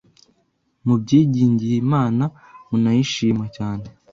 mubyingingiye imana munayishima cyane